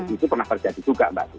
itu pernah terjadi juga mbak